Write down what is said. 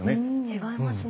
違いますね。